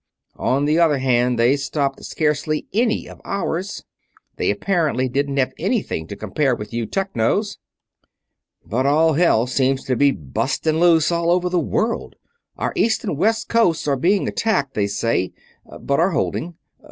On the other hand, they stopped scarcely any of ours they apparently didn't have anything to compare with you Technos. "But all hell seems to be busting loose, all over the world. Our east and west coasts are both being attacked, they say; but are holding.